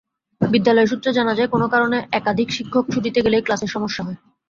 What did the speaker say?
বিদ্যালয় সূত্রে জানা যায়, কোনো কারণে একাধিক শিক্ষক ছুটিতে গেলেই ক্লাসের সমস্যা হয়।